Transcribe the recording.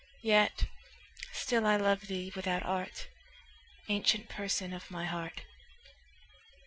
Yet still I love thee without art, Ancient Person of my heart.